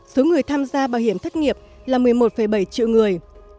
số người tham gia bảo hiểm thất nghiệp là một mươi một bảy triệu người